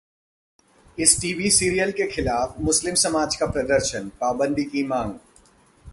इस TV serial के खिलाफ मुस्लिम समाज का प्रदर्शन, पाबंदी की मांग